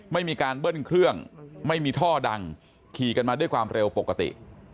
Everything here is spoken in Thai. ไม่มีการเบิ้ลเครื่องไม่มีท่อดังขี่กันมาด้วยความเร็วปกติ